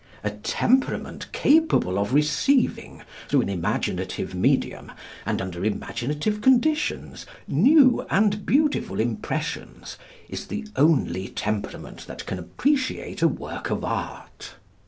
A temperament capable of receiving, through an imaginative medium, and under imaginative conditions, new and beautiful impressions, is the only temperament that can appreciate a work of art.